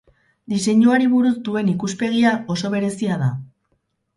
Diseinuari buruz duen ikuspegia oso berezia da.